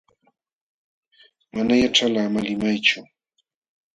Mana yaćhalqa ama limaychu.